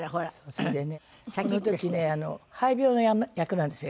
それでねこの時ね肺病の役なんですよ